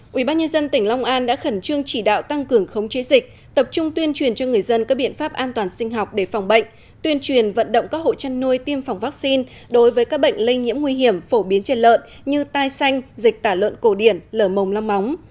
quỹ bác nhân dân tỉnh long an đã khẩn trương chỉ đạo tăng cường khống chế dịch tập trung tuyên truyền cho người dân các biện pháp an toàn sinh học để phòng bệnh tuyên truyền vận động các hộ chăn nuôi tiêm phòng vaccine đối với các bệnh lây nhiễm nguy hiểm phổ biến trên lợn như tai xanh dịch tả lợn cổ điển lở mồm long móng